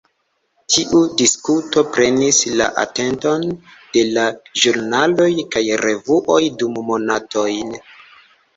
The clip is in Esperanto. Tiu diskuto prenis la atenton de la ĵurnaloj kaj revuoj dum monatojn.